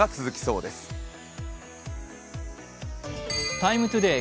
「ＴＩＭＥ，ＴＯＤＡＹ」